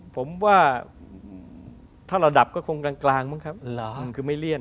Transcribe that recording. ผมว่าถ้าเราดับก็คงกลางมั้งครับคือไม่เลี่ยน